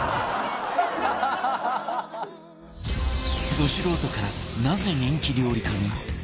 ド素人からなぜ人気料理家に？